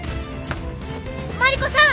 マリコさん！